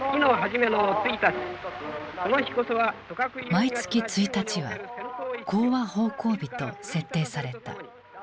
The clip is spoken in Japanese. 毎月一日は「興亜奉公日」と設定された。